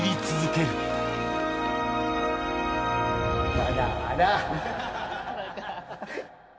まだまだ。